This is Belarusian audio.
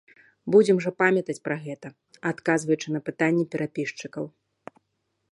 Будзем жа памятаць пра гэта, адказваючы на пытанні перапісчыкаў!